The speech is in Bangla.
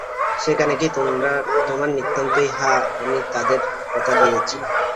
সেখানে কি তোমার নিতান্তই– হাঁ, আমি তাদের কথা দিয়াছি।